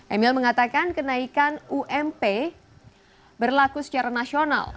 emil mengatakan kenaikan ump berlaku secara nasional